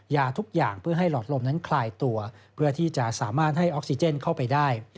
ยาทุกอย่างเพื่อให้หลอดลมนั้นคลายตัวเพื่อที่จะสามารถให้ออกซิเจนเข้าไปได้